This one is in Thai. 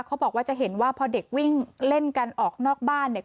เขาบอกว่าจะเห็นว่าพอเด็กวิ่งเล่นกันออกนอกบ้านเนี่ย